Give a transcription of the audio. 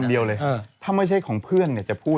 เด็กสามก็ของเพื่อน